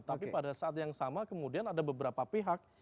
tapi pada saat yang sama kemudian ada beberapa pihak